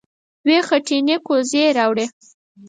دوې خټينې کوزې يې راوړې.